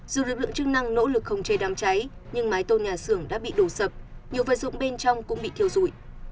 dù lực lượng chức năng nỗ lực không chế đám cháy nhưng mái tôn nhà xưởng đã bị đổ sập nhiều vật dụng bên trong cũng bị thiêu dụi